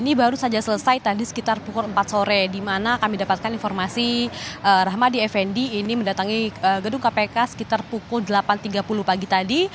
ini baru saja selesai tadi sekitar pukul empat sore di mana kami dapatkan informasi rahmadi effendi ini mendatangi gedung kpk sekitar pukul delapan tiga puluh pagi tadi